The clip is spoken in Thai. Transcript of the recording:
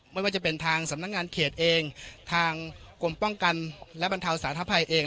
ไม่ว่าจะเป็นทางสำนักงานเขตเองทางกรมป้องกันและบรรเทาสาธภัยเอง